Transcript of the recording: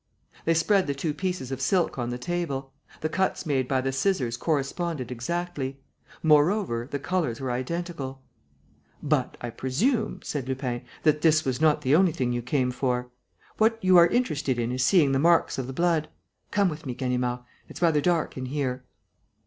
They spread the two pieces of silk on the table. The cuts made by the scissors corresponded exactly. Moreover, the colours were identical. "But I presume," said Lupin, "that this was not the only thing you came for. What you are interested in seeing is the marks of the blood. Come with me, Ganimard: it's rather dark in here."